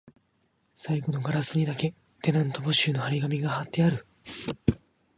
最後のガラスにだけ、テナント募集の張り紙が張ってある